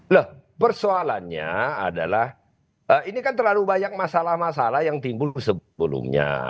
loh persoalannya adalah ini kan terlalu banyak masalah masalah yang timbul sebelumnya